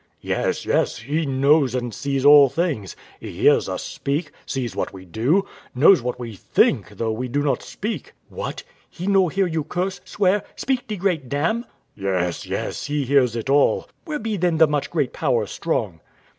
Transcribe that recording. W.A. Yes, yes, He knows and sees all things; He hears us speak, sees what we do, knows what we think though we do not speak. Wife. What! He no hear you curse, swear, speak de great damn? W.A. Yes, yes, He hears it all. Wife. Where be then the much great power strong?